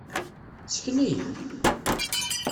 Sken-iyi-d!